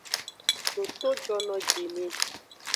Toto jonojini.